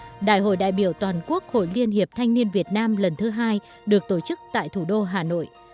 tháng một mươi hai năm một nghìn chín trăm sáu mươi một đại hội đại biểu toàn quốc hội liên hiệp thanh niên việt nam lần thứ hai được tổ chức tại thủ đô hà nội